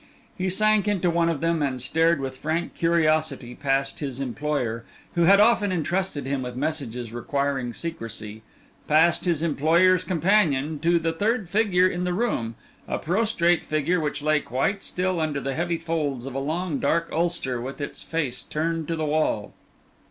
He sank into one of them and stared with frank curiosity past his employer, who had often entrusted him with messages requiring secrecy, past his employer's companion, to the third figure in the room a prostrate figure which lay quite still under the heavy folds of a long dark ulster with its face turned to the wall.